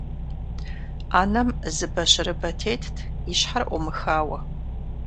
Ӏэнэм зы бащырыбэ тетт, и щхьэр Ӏумыхауэ.